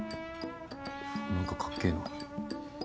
何かかっけえな。